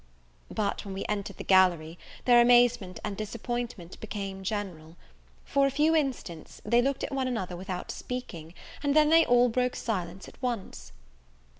But, when we entered the gallery their amazement and disappointment became general. For a few instants, they looked at one another without speaking, and then they all broke silence at once.